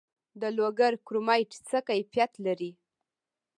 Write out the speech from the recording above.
د لوګر کرومایټ څه کیفیت لري؟